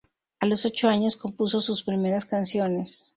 A los ocho años compuso sus primeras canciones.